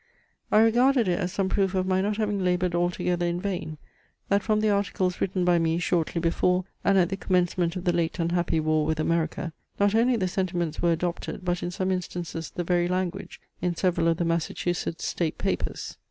I regarded it as some proof of my not having laboured altogether in vain, that from the articles written by me shortly before and at the commencement of the late unhappy war with America, not only the sentiments were adopted, but in some instances the very language, in several of the Massachusetts state papers.